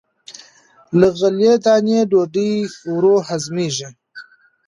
له غلې- دانو ډوډۍ ورو هضمېږي.